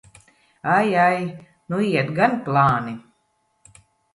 Ai, ai! Nu iet gan plāni!